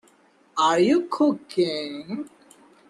Are you cooking?